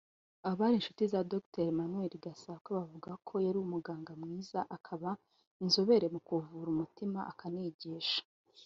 Abari inshuti za Dr Emmanuel Gasakure bavuga ko yari umuganga mwiza akaba inzobere mu kuvura umutima akanigisha